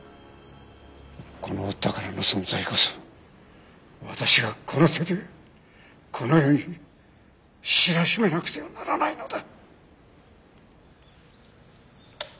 この宝の存在こそ私がこの手でこの世に知らしめなくてはならないのだ。